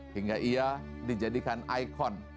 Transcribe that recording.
hingga ia dijadikan ikon